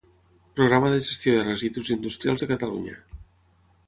Programa de gestió de residus industrials de Catalunya.